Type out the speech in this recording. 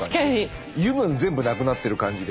油分全部なくなってる感じで。